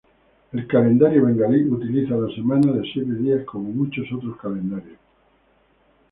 El calendario bengalí utiliza la semana de siete días como muchos otros calendarios.